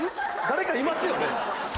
誰かいますよね？